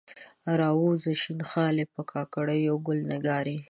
راووځه شین خالۍ، په کاکړیو ګل نګارې